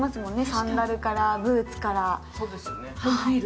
サンダルからブーツから。